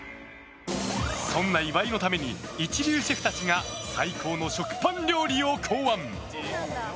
そんな岩井のために一流シェフたちが最高の食パン料理を考案！